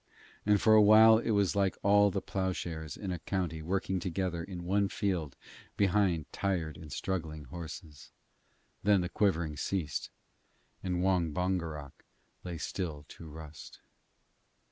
And for a while it was like all the ploughshares in a county working together in one field behind tired and struggling horses; then the quivering ceased, and Wong Bongerok lay still to rust.